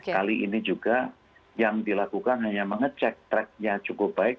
kali ini juga yang dilakukan hanya mengecek tracknya cukup baik